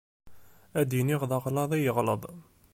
Ad d-iniɣ d aɣlaḍ i ɣelḍeɣ.